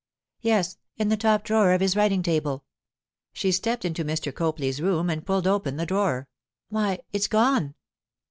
'Yes; in the top drawer of his writing table.' She stepped into Mr. Copley's room and pulled open the drawer. 'Why, it's gone!